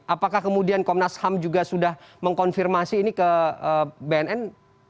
apakah kemudian komnas ham juga sudah mengkonfirmasi ini ke bnn